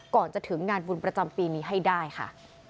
ก่อนจะถึงงานบุญประจำปีนี้ให้ได้ค่ะ